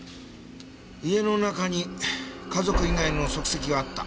家の中に家族以外の足跡があった。